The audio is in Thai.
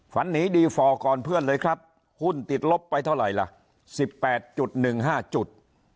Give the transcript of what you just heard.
ฝันหนีดีฟอร์ก่อนเพื่อนเลยครับหุ้นติดลบไปเท่าไหร่ล่ะ๑๘๑๕จุด